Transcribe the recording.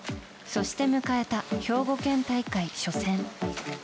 そして迎えた兵庫県大会初戦。